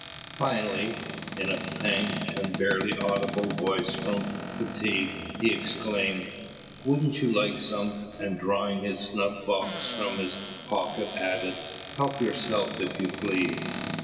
Finally, in a faint and barely audible voice from fatigue, he exclaimed, "Wouldn't you like some?" and drawing his snuff box from his pocket, added, "Help yourself, if you please."